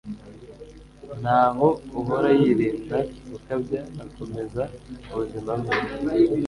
naho uhora yirinda gukabya, akomeza ubuzima bwe